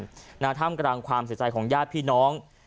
ทำกำลังความเสียใจของญาติพี่น้อง